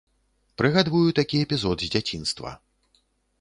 Прыгадваю такі эпізод з дзяцінства.